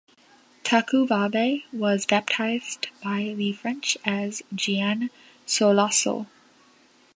Tacuabe was baptised by the French as Jean Soulassol.